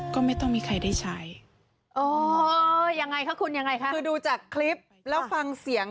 คือดูจากคลิปแล้วฟังเสียง